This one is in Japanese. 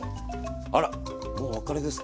あらもうお別れですか。